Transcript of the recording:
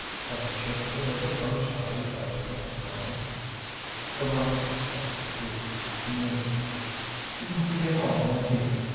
Have you just a little vermicelli by way of loan?" Pierronne expressed her grief noisily. "Nothing at all, my dear.